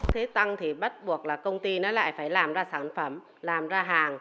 thế tăng thì bắt buộc là công ty nó lại phải làm ra sản phẩm làm ra hàng